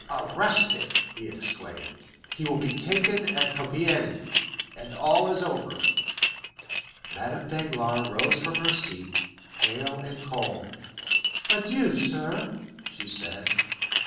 "Arrested!" he exclaimed; "he was taken at Compiègne, and all is over." Madame Danglars rose from her seat, pale and cold. "Adieu, sir," she said.